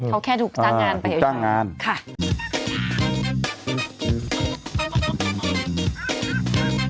เขาแค่ถูกจ้างงานไป